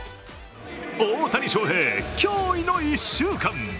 大谷翔平、驚異の１週間。